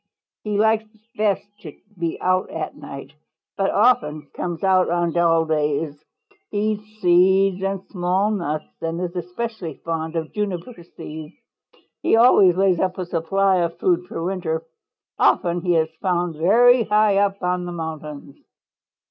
He likes best to be out at night, but often comes out on dull days. He eats seeds and small nuts and is especially fond of juniper seeds. He always lays up a supply of food for winter. Often he is found very high up on the mountains.